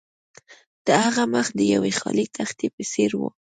د هغه مخ د یوې خالي تختې په څیر و